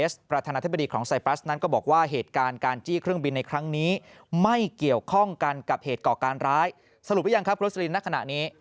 สรุปหรือยังครับโรสลินในขณะนี้